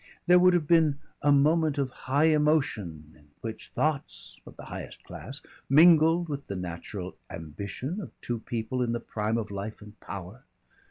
There would have been a moment of high emotion in which thoughts of the highest class mingled with the natural ambition of two people in the prime of life and power.